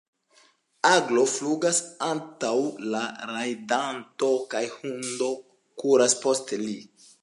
Aglo flugas antaŭ la rajdanto kaj hundo kuras post li.